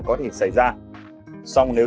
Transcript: có thể xảy ra xong nếu